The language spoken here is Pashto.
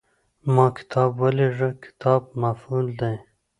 ما کتاب ولېږه – "کتاب" مفعول دی.